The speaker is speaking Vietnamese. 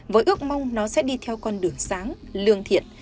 với ước mong nó sẽ đi theo con đường sáng lương thiện